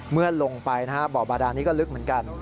เมื่อลงไปบ่อบาดานนี้ก็ลึกเหมือนกัน